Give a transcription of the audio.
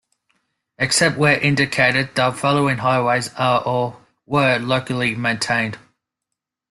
Except where indicated, the following highways are or were locally maintained.